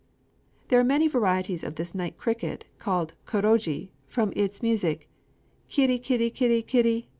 _ There are many varieties of this night cricket, called kōrogi from its music: "_kiri kiri kiri kiri!